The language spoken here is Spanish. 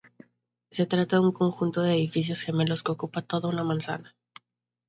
Se trata de un conjunto de edificios gemelos que ocupa toda una manzana.